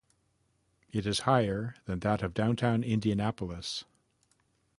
It is higher than that of downtown Indianapolis.